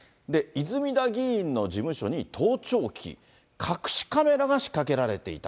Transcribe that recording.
泉田議員の事務所に盗聴器、隠しカメラが仕掛けられていた。